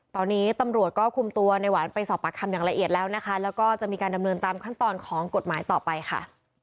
ตอนนี้ตำรวจก็คุมตัวในหวานไปสอบปากคำอย่างละเอียดแล้วนะคะแล้วก็จะมีการดำเนินตามขั้นตอนของกฎหมายต่อไปค่ะ